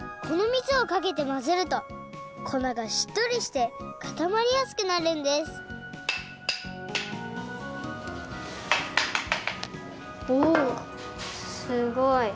このミツをかけてまぜるとこながしっとりしてかたまりやすくなるんですおすごい！